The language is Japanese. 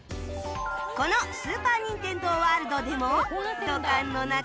このスーパー・ニンテンドー・ワールドでも土管の中に入ると